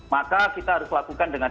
maka kita harus lakukan dengan